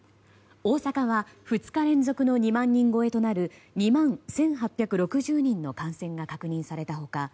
大阪は２日連続の２万人超えとなる２万１８６０人の感染が確認された他